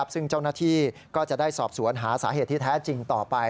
ซึ่งเจ้าหน้าที่ก็จะได้สอบสวนหาสาเหตุที่แท้จริงต่อไป